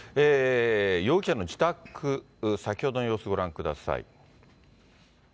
容疑者の自宅、先ほどの様子ご覧ください。